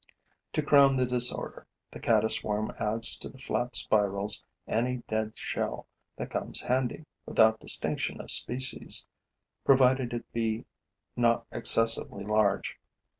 To crown the disorder, the caddis worm adds to the flat spirals any dead shell that comes handy, without distinction of species, provided it be not excessively large.